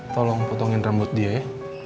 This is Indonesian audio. tolong potongin rambut dia ya